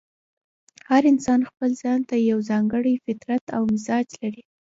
هر انسان ځپل ځان ته یو ځانګړی فطرت او مزاج لري.